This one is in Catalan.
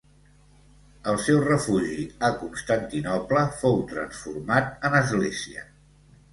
El seu refugi a Constantinoble fou transformat en església.